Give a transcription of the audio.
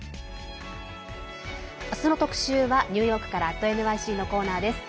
明日の特集はニューヨークから「＠ｎｙｃ」のコーナーです。